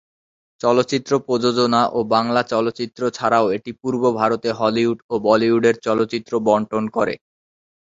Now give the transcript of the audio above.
চলচ্চিত্র প্রযোজনা ও বাংলা চলচ্চিত্র ছাড়াও এটি পূর্ব ভারতে হলিউড ও বলিউডের চলচ্চিত্র বণ্টন করে।